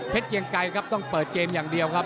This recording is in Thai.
เกียงไกรครับต้องเปิดเกมอย่างเดียวครับ